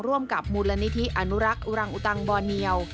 ร่วมกับมูลนิธิอนุรักษ์อุรังอุตังบอเนียว